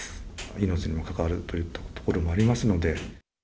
命にも関わるというところもありますので。